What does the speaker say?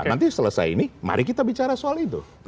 nanti selesai ini mari kita bicara soal itu